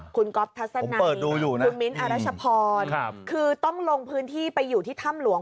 คุณก๊อฟทัศนัยคุณมิ้นทรัชพรคือต้องลงพื้นที่ไปอยู่ที่ถ้ำหลวง